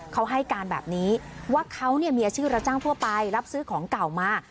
เขาให้การแบบนี้ว่าเขามีอาชีพรับจ้างทั่วไปรับซื้อของเก่ามา